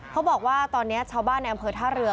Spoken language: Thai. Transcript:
เขาบอกว่าตอนนี้ชาวบ้านในอำเภอท่าเรือ